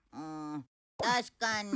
確かに。